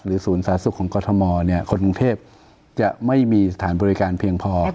ศูนย์สาธารณสุขของกรทมคนกรุงเทพจะไม่มีสถานบริการเพียงพอ